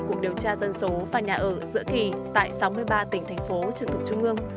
của điều tra dân số và nhà ở giữa kỳ tại sáu mươi ba tỉnh thành phố trường tục trung ương